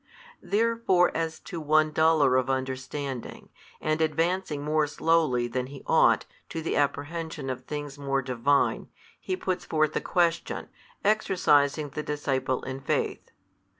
Therefore as to one duller of understanding, and advancing more slowly than he ought to the apprehension of things more Divine, He puts forth the question, exercising the disciple in faith.